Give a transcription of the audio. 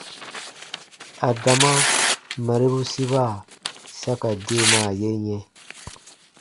Adama marebu siba sa ka deemaa ye yɛ̃.